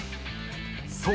そう。